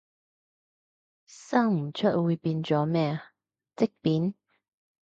生唔出會變咗咩，積便？